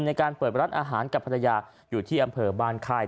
ในการเปิดร้านอาหารกับภรรยาอยู่ที่อำเภอบ้านค่าย